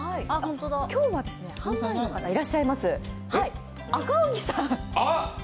今日は販売員の方、いらっしゃいます。